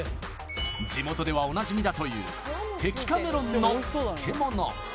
地元ではおなじみだという摘果メロンの漬け物